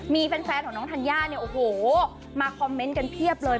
มีแฟนของน้องธัญญาเนี่ยโอ้โหมาคอมเมนต์กันเพียบเลย